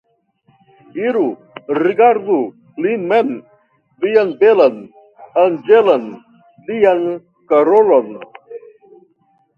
Iru, rigardu lin mem, vian belan, anĝelan, dian Karolon!